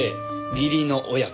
義理の親子。